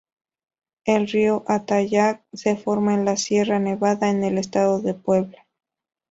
El río Atoyac se forma en la Sierra Nevada, en el estado de Puebla.